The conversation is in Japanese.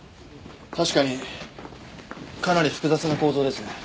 確かにかなり複雑な構造ですね。